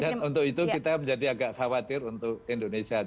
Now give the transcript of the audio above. dan untuk itu kita menjadi agak khawatir untuk indonesia